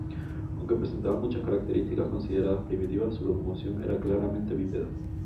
Aunque presentaban muchas características consideradas primitivas, su locomoción era claramente bípeda.